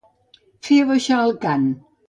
Fer abaixar el cant.